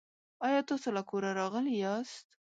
آیا تاسو له کوره راغلي یاست؟